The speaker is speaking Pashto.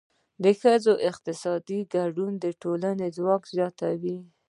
د ښځو اقتصادي ګډون د ټولنې ځواک زیاتوي.